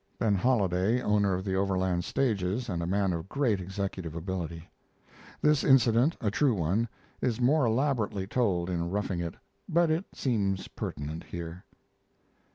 [Ben Holiday, owner of the Overland stages, and a man of great executive ability. This incident, a true one, is more elaborately told in Roughing It, but it seems pertinent here.